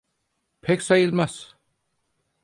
Pek sayılmaz.